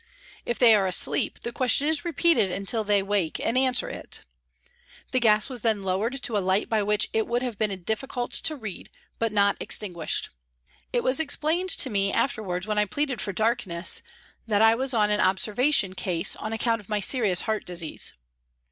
If they are asleep, the question is repeated until they wake and answer it. The gas was then lowered to a light by which it would have been difficult to read, but not extinguished. It was explained to me afterwards when I pleaded for darkness, that I was an " observa tion " case on account of my " serious heart disease."